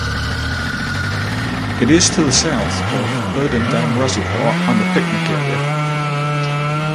It is to the south of Berdan Dam reservoir and the picnic area.